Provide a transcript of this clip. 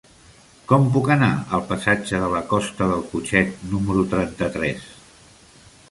Com puc anar al passatge de la Costa del Putxet número trenta-tres?